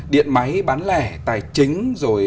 điện máy bán lẻ tài chính rồi